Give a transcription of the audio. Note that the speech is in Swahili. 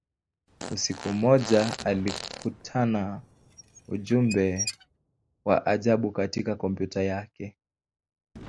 Usiku mmoja, alikutana ujumbe wa ajabu katika kompyuta yake.